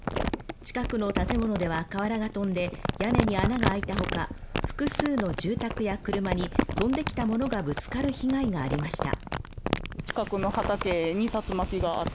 近くの建物では、瓦が飛んで屋根に穴が開いたほか、複数の住宅や車に飛んできたものがぶつかる被害がありました。